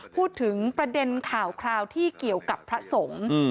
พูดถึงประเด็นข่าวคราวที่เกี่ยวกับพระสงฆ์